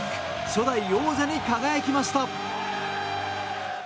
初代王者に輝きました。